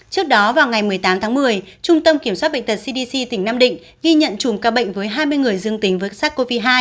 trước đó vào ngày một mươi tám tháng một mươi trung tâm kiểm soát bệnh tật cdc tỉnh nam định ghi nhận chùm ca bệnh với hai mươi người dương tính với sars cov hai